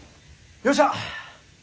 よっしゃ！